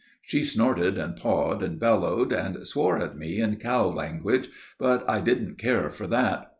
She snorted and pawed and bellowed, and swore at me in cow language, but I didn't care for that.